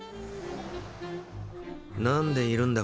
なんでいるんだ？